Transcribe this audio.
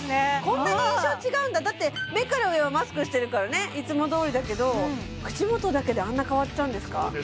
こんなに印象違うんだだって目から上はマスクしてるからねいつもどおりだけど口元だけであんな変わっちゃうんですか